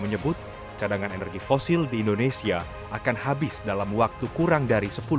menyebut cadangan energi fosil di indonesia akan habis dalam waktu kurang dari sepuluh tahun